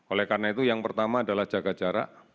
oleh karena itu yang pertama adalah jaga jarak